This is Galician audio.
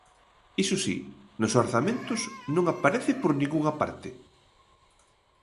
Iso si, nos orzamentos non aparece por ningunha parte.